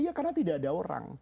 iya karena tidak ada orang